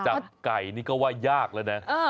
จับไก่นี่ก็ว่ายากนะ